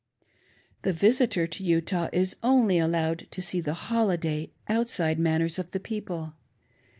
The visitor to Utah is only allowed to see the holiday, out side manners of the people.